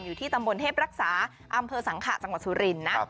อยู่ที่ตำบลเทพรักษาอำเภอสังขะจังหวัดสุรินทร์นะ